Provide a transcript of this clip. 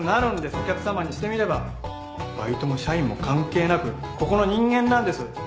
お客さまにしてみればバイトも社員も関係なくここの人間なんです。